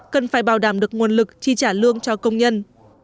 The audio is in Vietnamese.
cần phải bảo đảm được nguồn lực chi trả lương cho công nhân